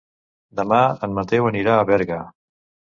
Demà en Mateu anirà a Berga.